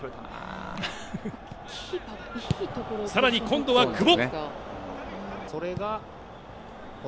更に今度は久保。